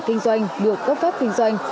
kinh doanh được cấp phép kinh doanh